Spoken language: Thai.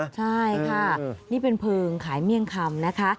ใช่ค่ะนี่เป็นเพลิงขายเมี่ยงคำนะคะ